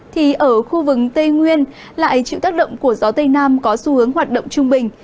thì ở khu vực tây nguyên lại chịu tác động của gió tây nam có xu hướng hoạt động trung bình